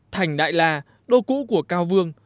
thành đại la đô cũ của cao vương